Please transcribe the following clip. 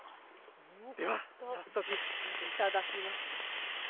では、早速いただきます。